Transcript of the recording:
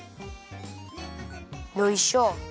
よいしょ。